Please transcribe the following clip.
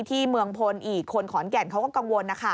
ที่เมืองพลอีกคนขอนแก่นเขาก็กังวลนะคะ